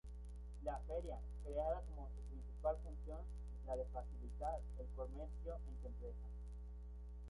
La Feria, creada como su principal función la de facilitar el comercio entre empresas.